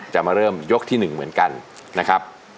จะมาเริ่มยกที่๑เหมือนกันนะครับ